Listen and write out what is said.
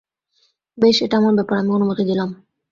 বেশ, এটা আমার ব্যাপার, আমি অনুমতি দিলাম।